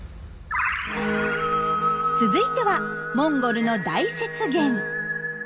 続いてはモンゴルの大雪原。